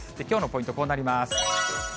きょうのポイント、こうなります。